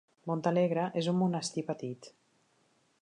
Montalegre és un monestir petit.